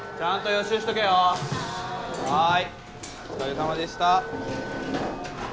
おつかれさまでした！